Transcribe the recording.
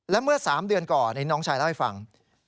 และเมื่อ๓เดือนก่อนน้องชายเล่าให้ฟัง